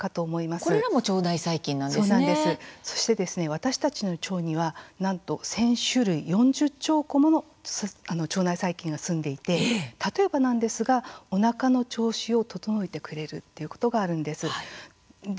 私たちの腸にはなんと１０００種類４０兆個もの腸内細菌がすんでいて例えばなんですがおなかの調子を整えてくれるっていうことがあるんです。